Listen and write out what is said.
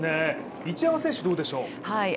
一山選手どうでしょう？